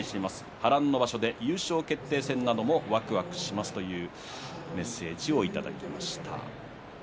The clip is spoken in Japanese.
波乱の場所で優勝決定戦もわくわくしますというメッセージをいただきました。